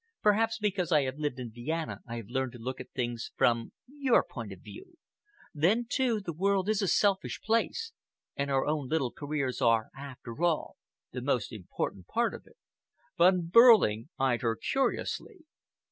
Perhaps because I have lived in Vienna I have learned to look at things from your point of view. Then, too, the world is a selfish place, and our own little careers are, after all, the most important part of it." Von Behrling eyed her curiously.